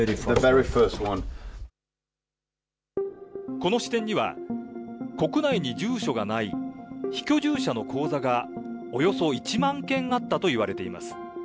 この支店には、国内に住所がない非居住者の口座がおよそ１万件あったといわれています。